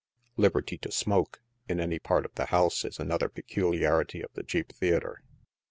Liberty to smoke in any part of the house is another peculiarity of the cheap theatre.